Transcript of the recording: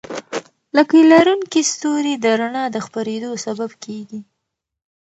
لکۍ لرونکي ستوري د رڼا د خپرېدو سبب کېږي.